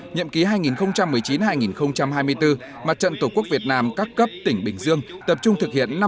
nhậm ký hai nghìn một mươi chín hai nghìn hai mươi bốn mặt trận tổ quốc việt nam các cấp tỉnh bình dương tập trung thực hiện